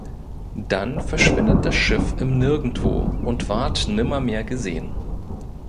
Dann verschwindet das Schiff im Nirgendwo und ward nimmer mehr gesehen.